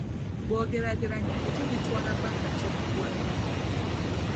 Bw'ogeraageranya emiti gitwala bbanga ki okukula?